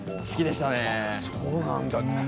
好きでしたね。